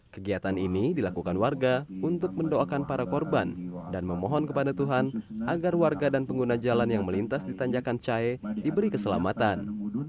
kegiatan ini dilakukan warga untuk mendoakan para korban dan memohon kepada tuhan agar warga dan pengguna jalan yang melintas di tanjakan cahe diberi keselamatan